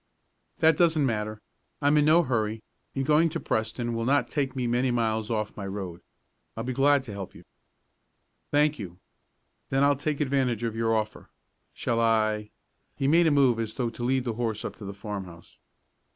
"That doesn't matter. I'm in no hurry, and going to Preston will not take me many miles off my road. I'll be glad to help you." "Thank you. Then I'll take advantage of your offer. Shall I ?" he made a move as though to lead the horse up to the farmhouse.